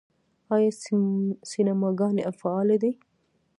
آیا سینماګانې فعالې دي؟